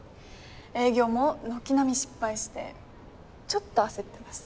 営業も軒並み失敗してちょっと焦ってます。